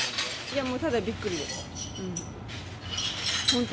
もうただびっくりです。